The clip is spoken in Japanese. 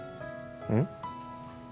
うん？